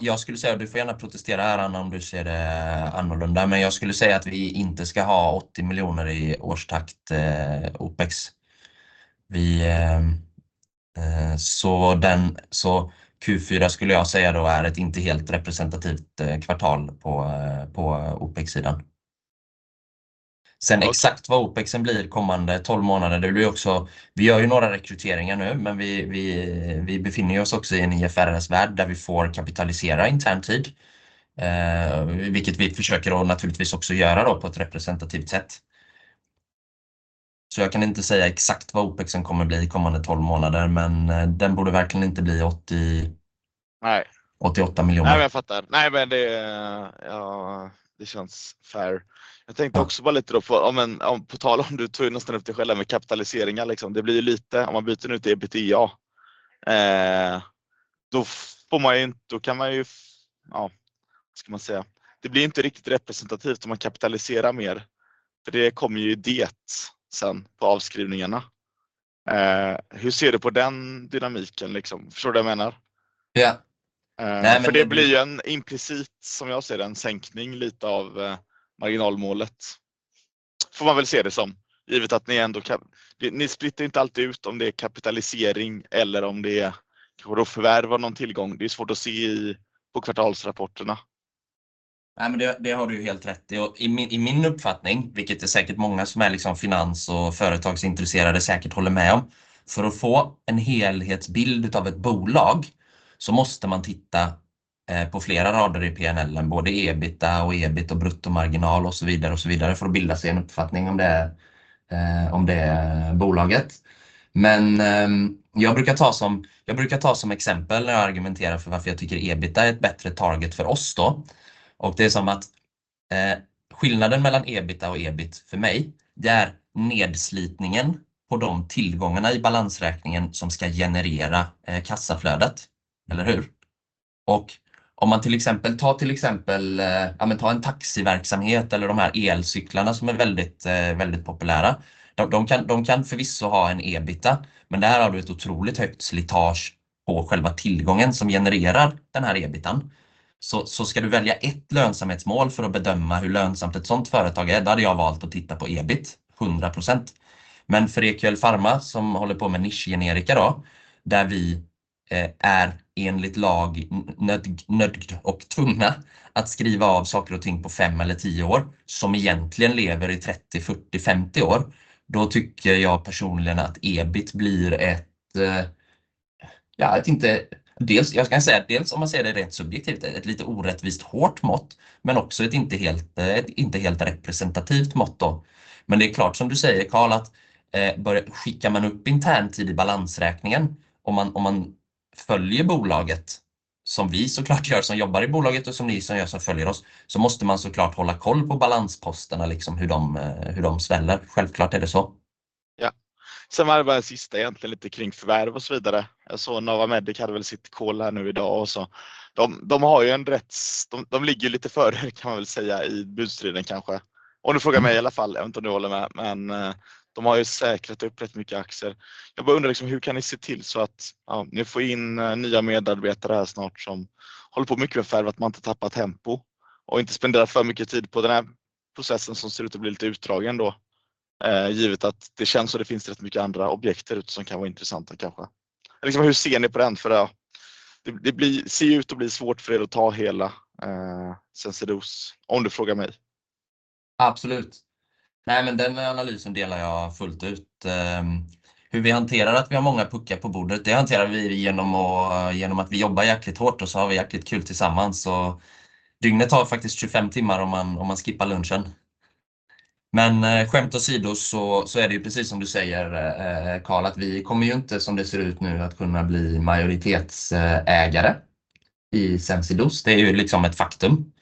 Jag skulle säga att du får gärna protestera här Anna om du ser det annorlunda. Jag skulle säga att vi inte ska ha SEK 80 million i årstakt Opex. Q4 skulle jag säga då är ett inte helt representativt kvartal på Opex sidan. Exakt vad Opexen blir kommande 12 månader. Vi gör ju några rekryteringar nu, men vi befinner oss också i en IFRS värld där vi får kapitalisera intern tid. Vilket vi försöker att naturligtvis också göra då på ett representativt sätt. Jag kan inte säga exakt vad Opexen kommer bli kommande 12 månader, men den borde verkligen inte bli åttio. Nej. 88 million. Jag fattar. Det, ja, det känns fair. Jag tänkte också bara lite då på, ja men på tal om du tog ju nästan upp det själv med kapitaliseringar. Det blir ju lite om man byter nu till EBITA. Då får man ju inte, då kan man ju, ja, vad ska man säga? Det blir inte riktigt representativt om man kapitaliserar mer. Det kommer ju det sen på avskrivningarna. Hur ser du på den dynamiken? Liksom, förstår du vad jag menar? Ja. Det blir ju en implicit, som jag ser det, en sänkning lite av marginalmålet. Får man väl se det som, givet att ni ändå kan. Ni splittar inte alltid ut om det är kapitalisering eller om det är kanske då förvärv av någon tillgång. Det är svårt att se i, på kvartalsrapporterna. Det har du ju helt rätt i. I min uppfattning, vilket är säkert många som är liksom finans och företagsintresserade säkert håller med om. För att få en helhetsbild utav ett bolag så måste man titta på flera rader i P&L, både EBITDA och EBIT och bruttomarginal och så vidare för att bilda sig en uppfattning om det, om det bolaget. Jag brukar ta som exempel när jag argumenterar för varför jag tycker EBITDA är ett bättre target för oss då. Det är som att, skillnaden mellan EBITDA och EBIT för mig, det är nedslitningen på de tillgångarna i balansräkningen som ska generera kassaflödet. Eller hur? Om man till exempel, ja men ta en taxiverksamhet eller de här elcyklarna som är väldigt populära. De kan förvisso ha en EBITDA, men där har du ett otroligt högt slitage på själva tillgången som genererar den här EBITDA:n. Ska du välja ett lönsamhetsmål för att bedöma hur lönsamt ett sådant företag är, då hade jag valt att titta på EBIT 100%. För EQL Pharma som håller på med nischgenerika då, där vi är enligt lag nöd och tvungna att skriva av saker och ting på 5 eller 10 år som egentligen lever i 30, 40, 50 år. Då tycker jag personligen att EBIT blir ett. Dels, jag kan säga, om man säger det rätt subjektivt, ett lite orättvist hårt mått, men också ett inte helt representativt mått då. Det är klart, som du säger Carl, att Skickar man upp intern tid i balansräkningen om man följer bolaget som vi så klart gör, som jobbar i bolaget och som ni som gör, som följer oss, så måste man så klart hålla koll på balansposterna, liksom hur de sväller. Självklart är det så. Sen var det bara en sista egentligen, lite kring förvärv och så vidare. Jag såg Navamedic hade väl sitt call här nu i dag och så. De ligger lite före kan man väl säga i budstriden kanske. Om du frågar mig i alla fall. Jag vet inte om du håller med, men de har ju säkrat upp rätt mycket aktier. Jag bara undrar liksom, hur kan ni se till så att ni får in nya medarbetare här snart som håller på mycket med förvärv, att man inte tappar tempo och inte spenderar för mycket tid på den här processen som ser ut att bli lite utdragen då. Givet att det känns som det finns rätt mycket andra objekt ute som kan vara intressanta kanske. Liksom hur ser ni på den? Ser ju ut att bli svårt för er att ta hela Sensidose, om du frågar mig. Absolut. Den analysen delar jag fullt ut. Hur vi hanterar att vi har många puckar på bordet, det hanterar vi genom att vi jobbar jäkligt hårt och så har vi jäkligt kul tillsammans. Dygnet har faktiskt 25 timmar om man skippar lunchen. Skämt åsido så är det ju precis som du säger, Carl, att vi kommer ju inte som det ser ut nu att kunna bli majoritetsägare i Sensidose. Det är ju liksom ett faktum.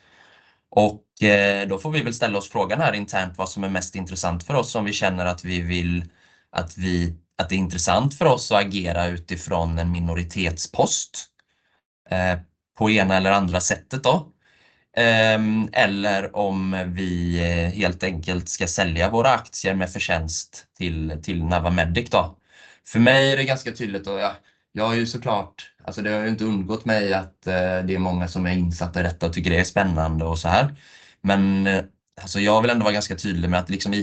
Då får vi väl ställa oss frågan här internt vad som är mest intressant för oss. Om vi känner att vi vill att det är intressant för oss att agera utifrån en minoritetspost på ena eller andra sättet då. Eller om vi helt enkelt ska sälja våra aktier med förtjänst till Navamedic då. För mig är det ganska tydligt och jag har ju så klart, alltså det har ju inte undgått mig att det är många som är insatta i detta och tycker det är spännande och såhär. Alltså jag vill ändå vara ganska tydlig med att liksom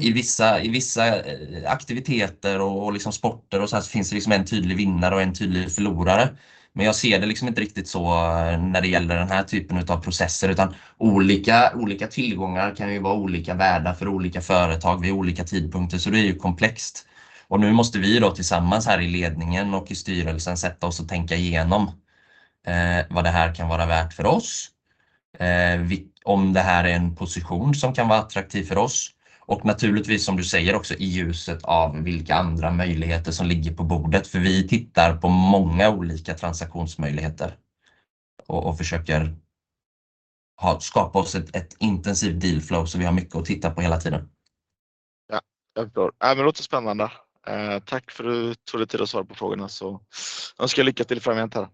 i vissa, i vissa aktiviteter och liksom sporter och så finns det liksom en tydlig vinnare och en tydlig förlorare. Jag ser det liksom inte riktigt så när det gäller den här typen av processer, utan olika tillgångar kan ju vara olika värda för olika företag vid olika tidpunkter. Det är ju komplext. Nu måste vi då tillsammans här i ledningen och i styrelsen sätta oss och tänka igenom vad det här kan vara värt för oss. Om det här är en position som kan vara attraktiv för oss. Naturligtvis, som du säger också i ljuset av vilka andra möjligheter som ligger på bordet. Vi tittar på många olika transaktionsmöjligheter och försöker skapa oss ett intensivt deal flow så vi har mycket att titta på hela tiden. Ja, jag förstår. Nej, det låter spännande. Tack för du tog dig tid att svara på frågorna. Önskar jag lycka till framgent här.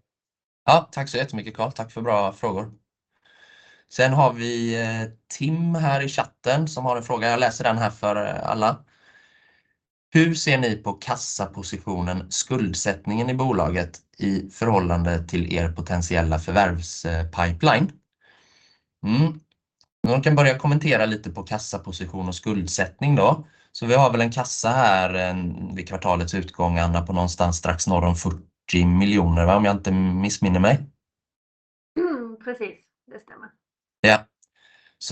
Tack så jättemycket Carl. Tack för bra frågor. Vi har Tim här i chatten som har en fråga. Jag läser den här för alla. Hur ser ni på kassapositionen skuldsättningen i bolaget i förhållande till er potentiella förvärvspipeline? Någon kan börja kommentera lite på kassaposition och skuldsättning då. Vi har väl en kassa här vid kvartalets utgång Anna på någonstans strax norr om 40 million va, om jag inte missminner mig. Precis, det stämmer.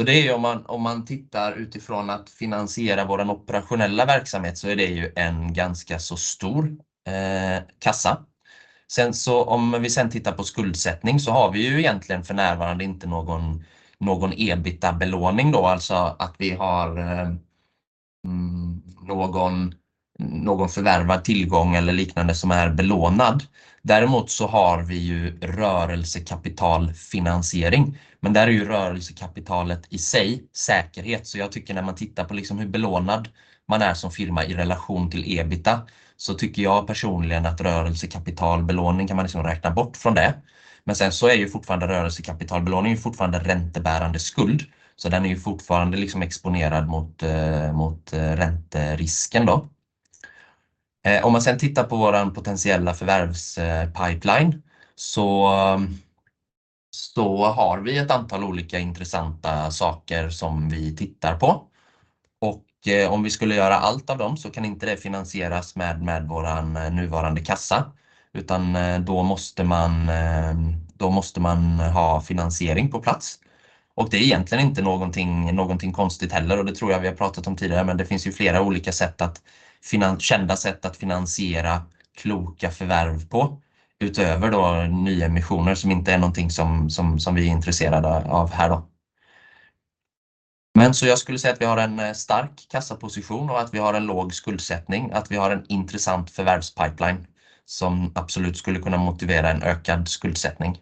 Det är om man tittar utifrån att finansiera vår operationella verksamhet så är det ju en ganska så stor kassa. Om vi sen tittar på skuldsättning så har vi ju egentligen för närvarande inte någon EBITDA-belåning då. Alltså att vi har någon förvärvad tillgång eller liknande som är belånad. Däremot har vi ju rörelsekapitalfinansiering, men där är ju rörelsekapitalet i sig säkerhet. Jag tycker när man tittar på liksom hur belånad man är som firma i relation till EBITDA, så tycker jag personligen att rörelsekapitalbelåning kan man räkna bort från det. Sen är ju fortfarande rörelsekapitalbelåning fortfarande räntebärande skuld, så den är fortfarande liksom exponerad mot ränterisken då. Om man sen tittar på vår potentiella förvärvspipeline så har vi ett antal olika intressanta saker som vi tittar på. Om vi skulle göra allt av dem så kan inte det finansieras med vår nuvarande kassa. Då måste man ha finansiering på plats. Det är egentligen inte någonting konstigt heller och det tror jag vi har pratat om tidigare. Det finns ju flera olika sätt att kända sätt att finansiera kloka förvärv på. Utöver då nyemissioner som inte är någonting som vi är intresserade av här då. Jag skulle säga att vi har en stark kassaposition och att vi har en låg skuldsättning, att vi har en intressant förvärvspipeline som absolut skulle kunna motivera en ökad skuldsättning.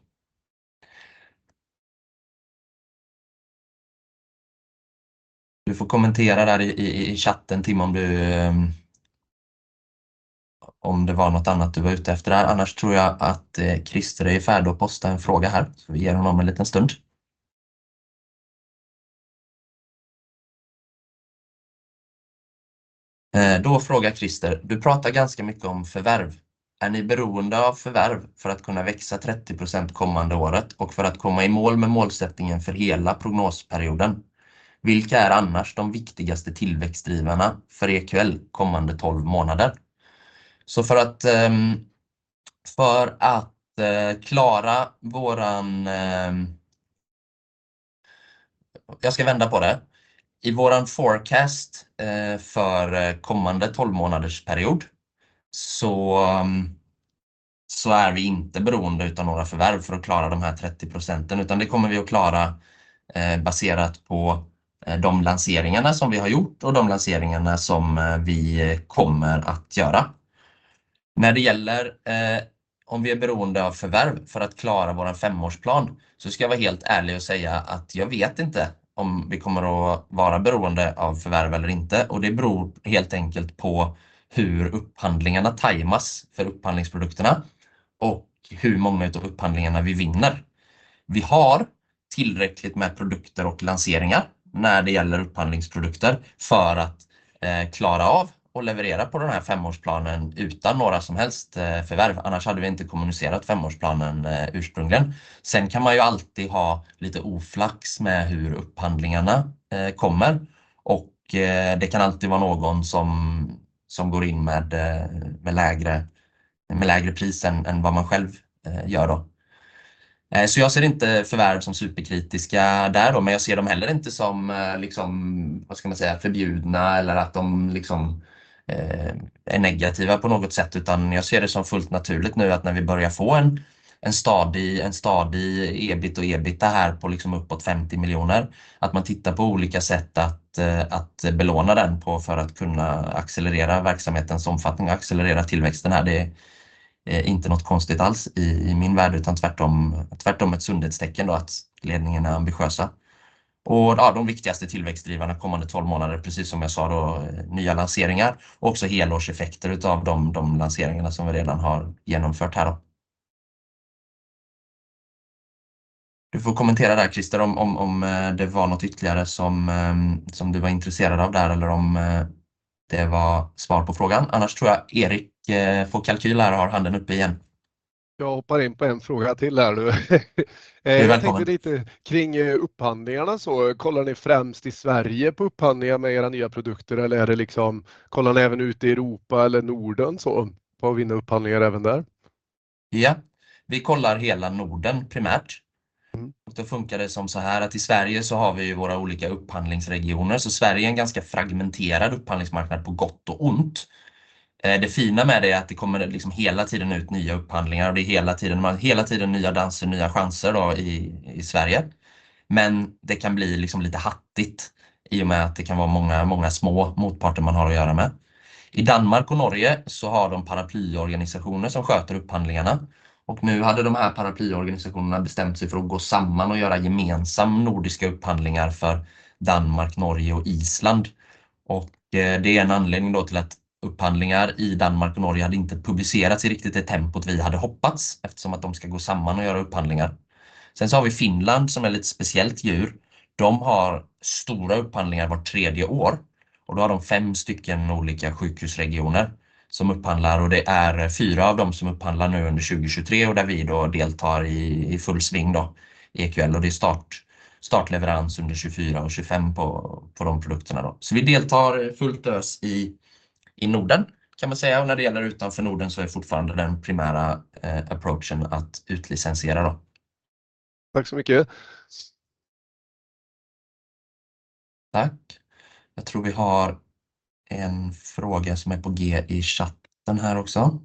Du får kommentera där i chatten Tim om det var något annat du var ute efter. Tror jag att Krister är i färd att posta en fråga här. Vi ger honom en liten stund. Frågar Krister: "Du pratar ganska mycket om förvärv. Är ni beroende av förvärv för att kunna växa 30% kommande året och för att komma i mål med målsättningen för hela prognosperioden? Vilka är annars de viktigaste tillväxtdrivarna för EQL kommande 12 månader?" För att klara våran. Jag ska vända på det. I vår forecast för kommande 12-månadersperiod så är vi inte beroende utav några förvärv för att klara de här 30%, utan det kommer vi att klara baserat på de lanseringarna som vi har gjort och de lanseringarna som vi kommer att göra. När det gäller om vi är beroende av förvärv för att klara vår 5-årsplan, så ska jag vara helt ärlig och säga att jag vet inte om vi kommer att vara beroende av förvärv eller inte och det beror helt enkelt på hur upphandlingarna tajmas för upphandlingsprodukterna och hur många utav upphandlingarna vi vinner. Vi har tillräckligt med produkter och lanseringar när det gäller upphandlingsprodukter för att klara av och leverera på den här 5-årsplanen utan några som helst förvärv. Annars hade vi inte kommunicerat 5-årsplanen ursprungligen. Sen kan man ju alltid ha lite oflax med hur upphandlingarna kommer och det kan alltid vara någon som går in med lägre pris än vad man själv gör då. Jag ser inte förvärv som superkritiska där då, men jag ser dem heller inte som liksom, vad ska man säga, förbjudna eller att de liksom är negativa på något sätt, utan jag ser det som fullt naturligt nu att när vi börjar få en stadig EBIT och EBITDA här på liksom uppåt 50 million, att man tittar på olika sätt att belåna den på för att kunna accelerera verksamhetens omfattning och accelerera tillväxten här. Det är inte något konstigt alls i min värld, utan tvärtom ett sundhetstecken då att ledningen är ambitiösa. Ja, de viktigaste tillväxtdrivarna kommande 12 månader, precis som jag sa då, nya lanseringar och också helårseffekter utav de lanseringarna som vi redan har genomfört här då. Du får kommentera där, Krister, om det var något ytterligare som du var intresserad av där eller om det var svar på frågan. Annars tror jag Erik på Kalqyl här har handen uppe igen. Jag hoppar in på en fråga till här nu. Jag tänkte lite kring upphandlingarna. Kollar ni främst i Sverige på upphandlingar med era nya produkter eller är det liksom, kollar ni även ute i Europa eller Norden så för att vinna upphandlingar även där? Vi kollar hela Norden primärt. Det funkar som såhär att i Sverige så har vi våra olika upphandlingsregioner. Sverige är en ganska fragmenterad upphandlingsmarknad på gott och ont. Det fina med det är att det kommer liksom hela tiden ut nya upphandlingar. Det är hela tiden nya danser, nya chanser i Sverige. Det kan bli liksom lite hattigt i och med att det kan vara många små motparter man har att göra med. I Danmark och Norge så har de paraplyorganisationer som sköter upphandlingarna. Nu hade de här paraplyorganisationerna bestämt sig för att gå samman och göra gemensam Nordiska upphandlingar för Danmark, Norge och Island. Det är en anledning då till att upphandlingar i Danmark och Norge hade inte publicerats i riktigt det tempot vi hade hoppats eftersom att de ska gå samman och göra upphandlingar. Har vi Finland som är ett lite speciellt djur. De har stora upphandlingar vart tredje år och då har de 5 stycken olika sjukhusregioner som upphandlar och det är 4 av dem som upphandlar nu under 2023 och där vi då deltar i full sving då, EQL. Startleverans under 2024 och 2025 på de produkterna då. Vi deltar fullt ös i Norden kan man säga. När det gäller utanför Norden så är fortfarande den primära approachen att utlicensiera då. Tack så mycket. Tack. Jag tror vi har en fråga som är på G i chatten här också.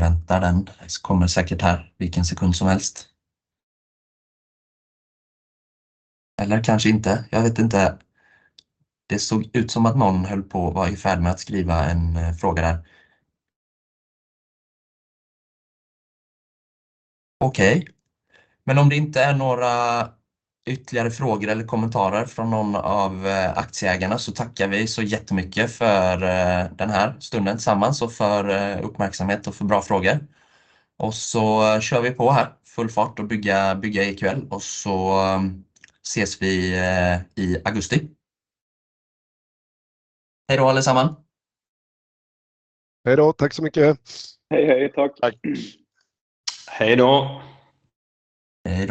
Vi inväntar den. Kommer säkert här vilken sekund som helst. Eller kanske inte. Jag vet inte. Det såg ut som att någon höll på och var i färd med att skriva en fråga där. Om det inte är några ytterligare frågor eller kommentarer från någon av aktieägarna så tackar vi så jättemycket för den här stunden tillsammans och för uppmärksamhet och för bra frågor. Så kör vi på här full fart och bygga EQL och så ses vi i augusti. Hejdå allesamman. Hejdå, tack så mycket. Hej, hej, tack. Tack. Hejdå. Hejdå.